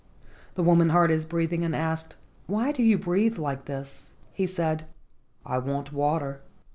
The woman heard his breathing, and asked, "Why do you breathe like this?" He said: "I want water.